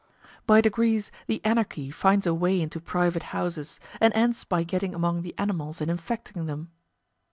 By degrees the anarchy finds a way into private houses, and ends by getting among the animals and infecting them.